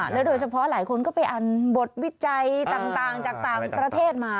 โดยเฉพาะหลายคนก็ไปอ่านบทวิจัยต่างจากต่างประเทศมา